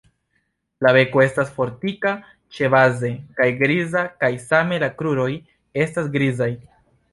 La beko estas fortika ĉebaze kaj griza kaj same la kruroj estas grizaj.